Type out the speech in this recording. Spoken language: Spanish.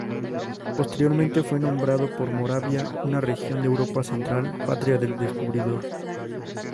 Posteriormente fue nombrado por Moravia, una región de Europa central, patria del descubridor.